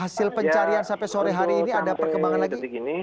hasil pencarian sampai sore hari ini ada perkembangan lagi